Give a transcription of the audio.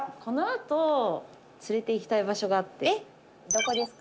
どこですか？